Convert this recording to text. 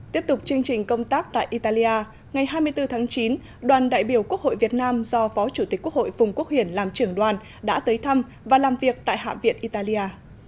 tiếp tục chương trình công tác tại italia ngày hai mươi bốn tháng chín đoàn đại biểu quốc hội việt nam do phó chủ tịch quốc hội phùng quốc hiển làm trưởng đoàn đã tới thăm và làm việc tại hạ viện italia